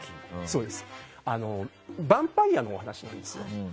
ヴァンパイアの話なんですよ。